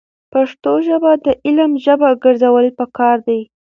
پښتو ژبه د علم ژبه ګرځول پکار دي.